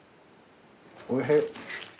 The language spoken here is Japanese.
おいしい。